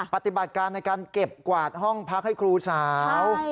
ปฏิบัติการในการเก็บกวาดห้องพักให้ครูสาว